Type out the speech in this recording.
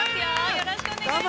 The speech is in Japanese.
よろしくお願いします。